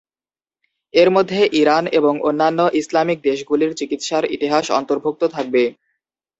এর মধ্যে ইরান এবং অন্যান্য ইসলামিক দেশগুলির চিকিৎসার ইতিহাস অন্তর্ভুক্ত থাকবে।